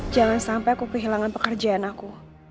jangan sampai aku kehilangan pekerjaan aku